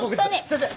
先生。